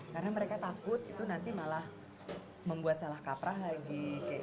karena mereka takut itu nanti malah membuat salah kaprah lagi